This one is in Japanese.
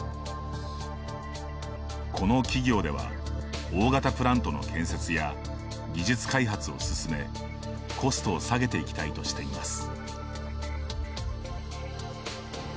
この企業では大型プラントの建設や技術開発を進めコストを下げていきたいとしています。